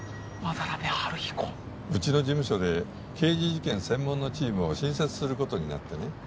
斑目春彦うちの事務所で刑事事件専門のチームを新設することになってね